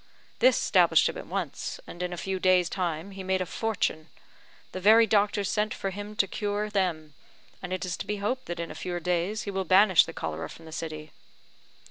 This 'stablished him at once, and in a few days' time he made a fortune. The very doctors sent for him to cure them; and it is to be hoped that in a few days he will banish the cholera from the city."